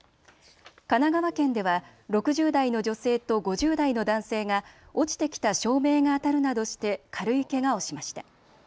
神奈川県では６０代の女性と５０代の男性が落ちてきた照明が当たるなどして軽いけがをしました。